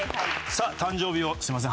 さあ誕生日をすいません